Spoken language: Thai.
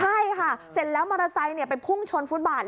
ใช่ค่ะเสร็จแล้วมอเตอร์ไซค์ไปพุ่งชนฟุตบาท